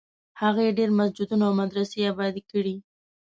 هغې ډېر مسجدونه او مدرسې ابادي کړې.